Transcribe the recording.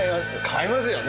買いますよね。